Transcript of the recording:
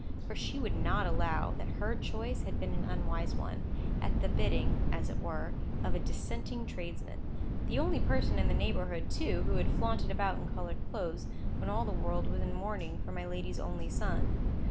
For she would not allow that her choice had been an unwise one, at the bidding (as it were) of a dissenting tradesman; the only person in the neighbourhood, too, who had flaunted about in coloured clothes, when all the world was in mourning for my lady's only son.